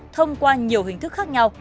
thông qua nhiều hình thức khác nhau